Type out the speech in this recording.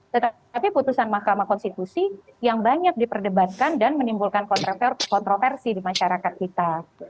tetapi putusan mahkamah konstitusi yang banyak diperdebatkan dan menimbulkan kontroversi di masyarakat kita